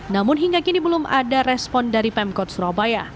namun hingga kini belum ada respon dari pemkot surabaya